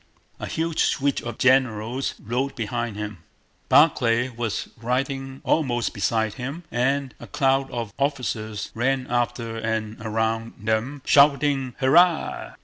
A huge suite of generals rode behind him. Barclay was riding almost beside him, and a crowd of officers ran after and around them shouting, "Hurrah!"